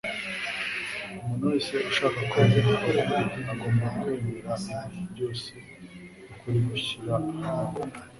Umvmtu wese ushaka kumenya ukuri agomba kwemera Ibintu byose ukuri gushyira ahabona.